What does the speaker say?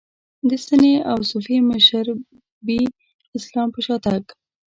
د سنتي او صوفي مشربي اسلام په شا تګ.